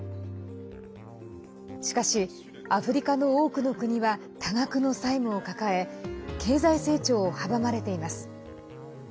しかし、アフリカの多くの国は多額の債務を抱え経済成長を阻まれています。